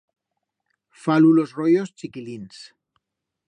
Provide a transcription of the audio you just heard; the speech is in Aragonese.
Fa lulos royos chiquilins.